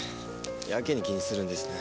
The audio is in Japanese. やけに気にするんですね。